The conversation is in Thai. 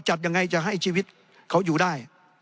จัดยังไงจะให้ชีวิตเขาอยู่ได้